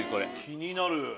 気になる！